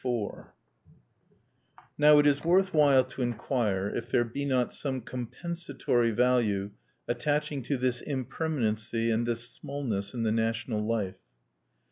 _ IV Now it is worth while to inquire if there be not some compensatory value attaching to this impermanency and this smallness in the national life.